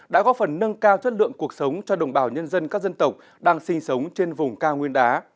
đã góp phần nâng cao chất lượng cuộc sống cho đồng bào nhân dân các dân tộc đang sinh sống trên vùng cao nguyên đá